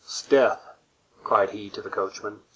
"'Sdeath!" cried he to the coachman.